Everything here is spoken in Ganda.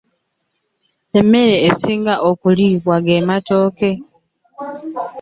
Emmere esinga okuliibwa ge matooke.